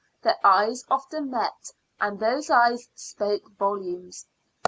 Their eyes often met, and those eyes spoke volumes.